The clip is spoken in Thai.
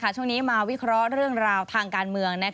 ช่วงนี้มาวิเคราะห์เรื่องราวทางการเมือง